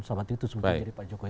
soalnya itu sebetulnya dari pak jokowi